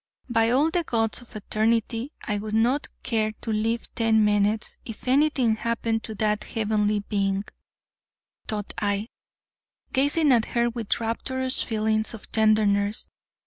"By all the gods of eternity, I would not care to live ten minutes if anything happened to that heavenly being," thought I, gazing at her with rapturous feelings of tenderness.